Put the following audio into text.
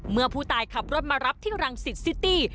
มารับที่รังสิตซิตี้